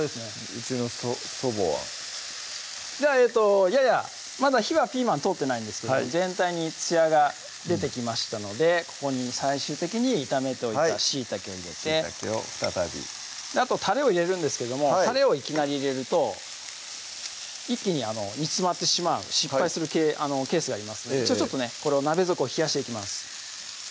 うちの祖母はではややまだ火はピーマン通ってないんですけど全体につやが出てきましたのでここに最終的に炒めておいたしいたけを入れてしいたけを再びあとたれを入れるんですけどもたれをいきなり入れると一気に煮詰まってしまう失敗するケースがありますのでちょっとね鍋底を冷やしていきます